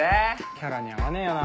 キャラに合わねえよな。